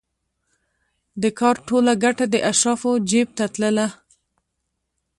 د کار ټوله ګټه د اشرافو جېب ته تلله